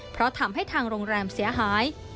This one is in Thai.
เพราะทำให้ทางโรงแรมเสียหาย